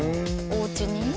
おうちに？